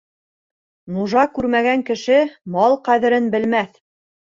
Нужа күрмәгән кеше мал ҡәҙерен белмәҫ.